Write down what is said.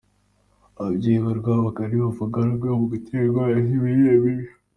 Ababyeyi b’i Rwamagana ntibavuga rumwe ku gitera indwara z’imirire mibi.